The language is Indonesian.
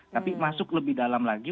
tapi masuk lebih dalam lagi